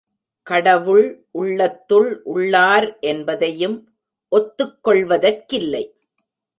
கடவுள் உள்ளத்துள் உள்ளார் என்பதையும் ஒத்துக் கொள்வதற்கில்லை.